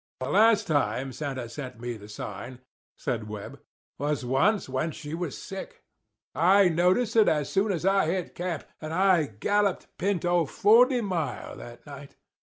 '" "The last time Santa sent me the sign," said Webb, "was once when she was sick. I noticed it as soon as I hit camp, and I galloped Pinto forty mile that night.